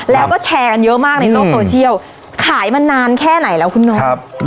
แล้วก็แชร์กันเยอะมากในโลกโซเชียลขายมานานแค่ไหนแล้วคุณนก